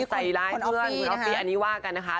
ใสร้ายเพื่อนกินอีกอันนี้ว่ากันนะคะ